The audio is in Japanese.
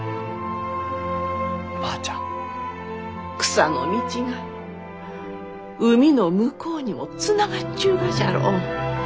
草の道が海の向こうにもつながっちゅうがじゃろう？